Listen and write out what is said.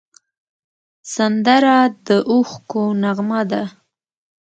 سندره د اوښکو نغمه ده